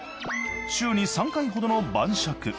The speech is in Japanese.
週に３回ほどの晩酌。